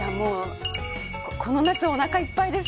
この夏おなかいっぱいです。